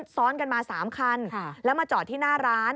ซ้อนกันมา๓คันแล้วมาจอดที่หน้าร้าน